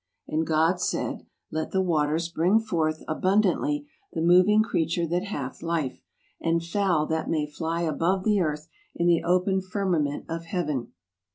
"And God said, Let the waters bring forth abundantly the moving creature that hath life, and fowl that may fly above the earth in the open firmament of heaven."